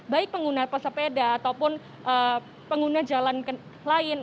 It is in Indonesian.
baik pengguna pesepeda ataupun pengguna jalan lain